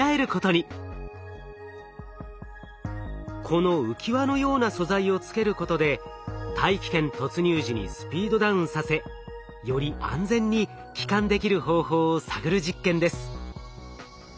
この浮き輪のような素材をつけることで大気圏突入時にスピードダウンさせより安全に帰還できる方法を探る実験です。